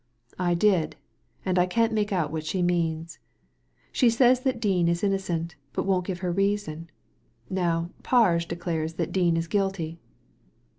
" I did ; and I can't make out what she means. She says that Dean is innocent, but won't give her reasoa Now, Parge declares that Dean is guilty."